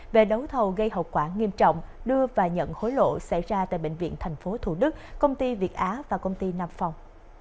về đấu thầu gây hậu quả nghiêm trọng đưa và nhận hối lộ xảy ra tại bệnh viện tp thủ đức công ty việt á và công ty nam phòng